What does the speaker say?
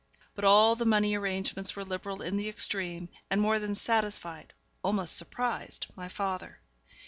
But all the money arrangements were liberal in the extreme, and more than satisfied, almost surprised, my father.